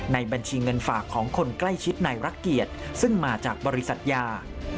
ในบัญชีเงินฝากของคนใกล้ชิดในรักเกียรติซึ่งมาจากบริษัทยา